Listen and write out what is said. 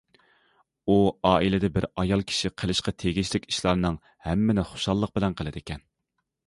ئۇ ئائىلىدە بىر ئايال كىشى قىلىشقا تېگىشلىك ئىشلارنىڭ ھەممىنى خۇشاللىق بىلەن قىلىدىكەن.